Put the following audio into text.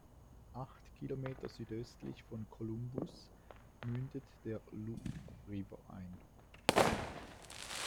Acht Kilometer südöstlich von Columbus mündet der Loup River ein.